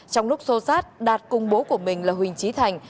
trong lúc xô xát đạt cùng bố của mình là huỳnh trí thành